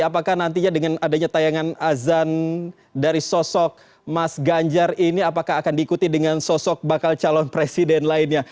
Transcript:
apakah nantinya dengan adanya tayangan azan dari sosok mas ganjar ini apakah akan diikuti dengan sosok bakal calon presiden lainnya